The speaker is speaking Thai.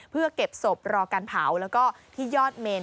เพื่อเก็บศพรอการเผาแล้วก็ที่ยอดเมน